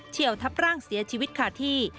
เชี่ยวทับร่างเสียชีวิตขาดที่